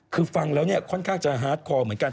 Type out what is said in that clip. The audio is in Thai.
คือฟังแล้วเนี่ยค่อนข้างจะฮาร์ดคอเหมือนกัน